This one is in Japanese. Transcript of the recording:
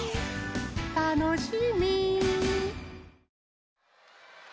たのしみ。